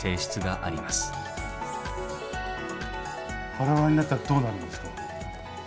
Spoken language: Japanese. バラバラになったらどうなるんですか？